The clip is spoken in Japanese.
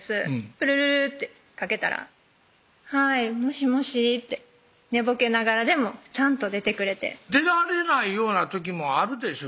プルルルッてかけたら「はいもしもし」って寝ぼけながらでもちゃんと出てくれて出られないような時もあるでしょ